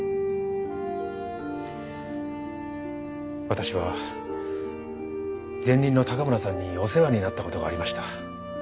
私は前任の高村さんにお世話になった事がありました。